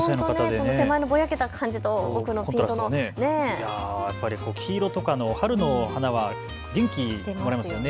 手前のぼやけた感じと奥のピントの黄色とかの春の花は元気、もらえますよね。